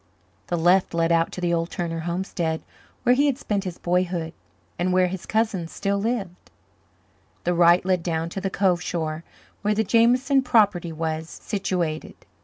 The left led out to the old Turner homestead, where he had spent his boyhood and where his cousin still lived; the right led down to the Cove shore where the Jameson property was situated.